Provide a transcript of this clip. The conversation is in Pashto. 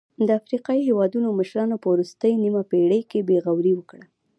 د افریقايي هېوادونو مشرانو په وروستۍ نیمه پېړۍ کې بې غوري وکړه.